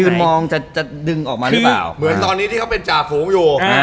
มองจะจะดึงออกมาหรือเปล่าเหมือนตอนนี้ที่เขาเป็นจ่าฝูงอยู่